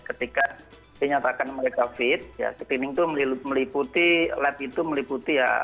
ketika dinyatakan mereka fit ya screening itu meliputi lab itu meliputi ya